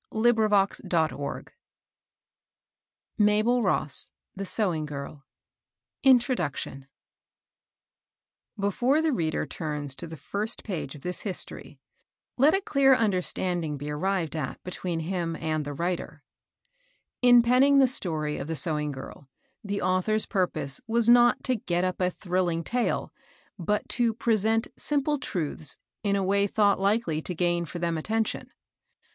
• 428 XLI. Under the Monntain Aah, ••••• 429 INTRODUCTION, Before the reader turns to the first page of this history, let a dear understanding be arrived at between him and the writer. In penning the story of "The Sewing girl," the author's purpose was not to get up a thrilling tale, but to present simple truths in a way thought likely to gain for them attention.